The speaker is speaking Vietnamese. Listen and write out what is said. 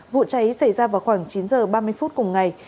vụ cháy xảy ra vào khoảng chín h ba mươi phút cùng ngày